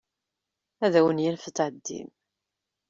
Ad awen-yanef ad tɛeddim.